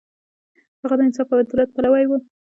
هغه د انصاف او عدالت پلوی و.